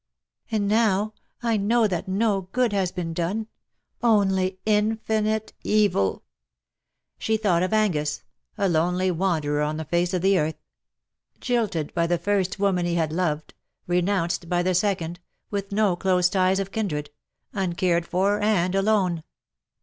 And now I know that no good has been done — only infinite evil.'^ She thought of Angus^ a lonely wanderer on the face of the earth ; jilted by the first woman he had VOL. II. L 146 " NOT THE GODS CAN SHAKE THE PAST." loved, renounced by the second^ with no close ties of kindred — nncared for and alone.